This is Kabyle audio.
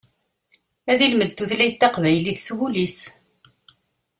Ad yelmed tutlayt taqbaylit s wul-is.